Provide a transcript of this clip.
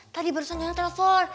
tadi barusan nyonya telepon